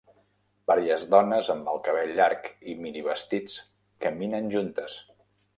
Varies dones amb el cabell llarg i mini-vestits caminen juntes.